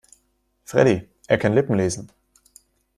Freddie, er kann Lippen lesen.